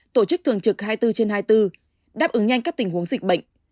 tổ chức thường trực hai mươi bốn trên hai mươi bốn đáp ứng nhanh các tình huống dịch bệnh